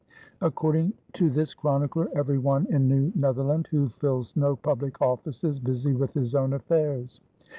According to this chronicler, every one in New Netherland who fills no public office is busy with his own affairs.